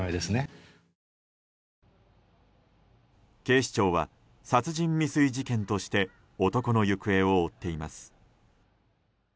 警視庁は殺人未遂事件として男の行方を追っています。